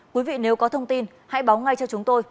quý vị nếu có thông tin hãy báo ngay cho chúng tôi